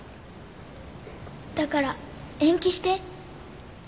だから延期して。